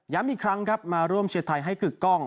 อีกครั้งครับมาร่วมเชียร์ไทยให้กึกกล้อง